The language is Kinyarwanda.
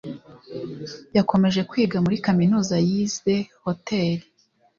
yakomeza kwiga muri Kaminuza yize Hotel